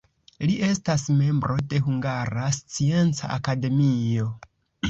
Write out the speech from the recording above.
Li estas membro de Hungara Scienca Akademio.